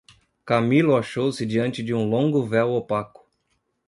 Camilo achou-se diante de um longo véu opaco...